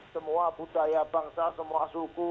semua budaya bangsa semua suku